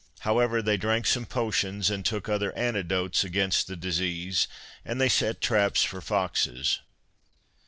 However, they drank some potions and took other antidotes against the disease, and then set traps for foxes.